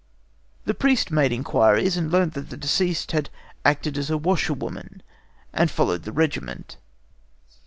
The priest made inquiries, and learnt that the deceased had acted as washerwoman and followed the regiment.